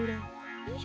よいしょ。